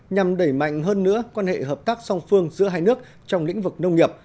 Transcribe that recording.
nhằm đẩy mạnh hơn nữa quan hệ hợp tác song phương giữa hai nước trong lĩnh vực nông nghiệp